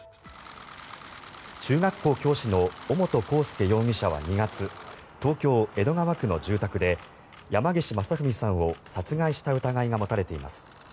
中学校教師の尾本幸祐容疑者は２月東京・江戸川区の住宅で山岸正文さんを殺害した疑いが持たれています。